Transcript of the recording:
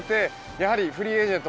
やはりフリーエージェント